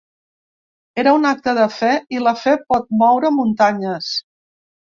Era un acte de fe, i la fe pot moure muntanyes.